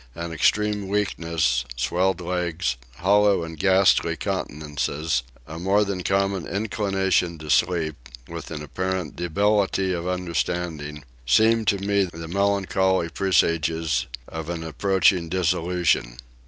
An extreme weakness, swelled legs, hollow and ghastly countenances, a more than common inclination to sleep, with an apparent debility of understanding, seemed to me the melancholy presages of an approaching dissolution.